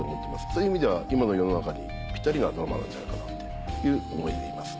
そういう意味では今の世の中にぴったりなドラマなんじゃないかなっていう思いでいます。